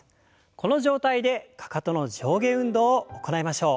この状態でかかとの上下運動を行いましょう。